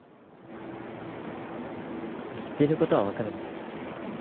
言ってることは分かるんです。